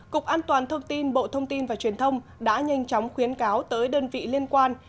cục an toàn thông tin bộ thông tin và truyền thông đã nhanh chóng khuyến cáo tới đơn vị liên quan